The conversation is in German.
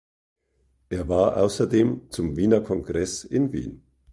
Er war außerdem zum Wiener Kongress in Wien.